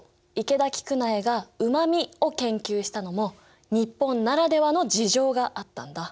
池田菊苗がうま味を研究したのも日本ならではの事情があったんだ。